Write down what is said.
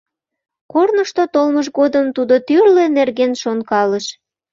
Корнышто толмыж годым тудо тӱрлӧ нерген шонкалыш.